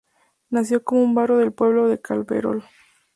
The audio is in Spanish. Nació como un barrio del pueblo de Claverol.